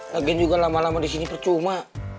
lagian juga lama lama disini percuma